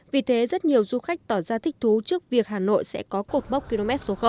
vì thế rất nhiều du khách tỏ ra thích thú trước việc hà nội sẽ có cột mốc km số